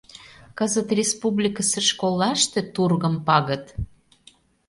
Кызыт республикысе школлаште — тургым пагыт.